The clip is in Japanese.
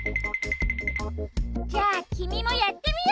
じゃあきみもやってみよう！